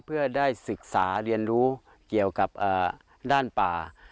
เพื่อได้ศึกษาเรียนรู้เกี่ยวกับด้านป่า